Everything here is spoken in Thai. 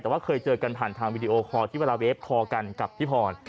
แต่ว่าเคยเจอกันผ่านทางวีดีโอคอลที่เวลาเวฟคอร์กันกับพี่พร